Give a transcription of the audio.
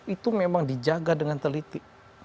itu memang dijaga dengan teliti